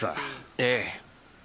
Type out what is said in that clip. ええ。